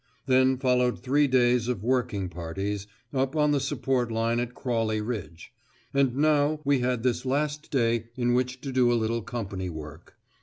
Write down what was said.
Then followed three days of working parties, up on the support line at Crawley Ridge; and now, we had this last day in which to do a little company work.